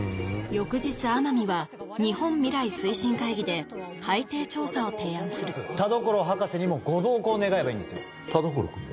翌日天海は日本未来推進会議で海底調査を提案する田所博士にもご同行願えばいいんですよ田所君も？